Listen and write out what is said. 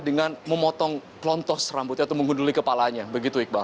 dengan memotong klontos rambutnya atau mengunduli kepalanya begitu iqbal